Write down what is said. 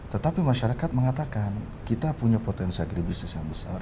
tetapi masyarakat mengatakan kita punya potensi agribisnis yang besar